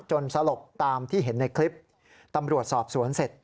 สลบตามที่เห็นในคลิปตำรวจสอบสวนเสร็จ